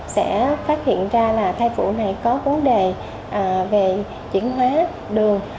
sẽ phát hiện ra là thai phụ này có vấn đề về chuyển hóa đường